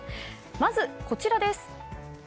まず、こちらです。